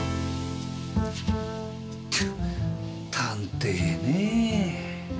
探偵ねぇ。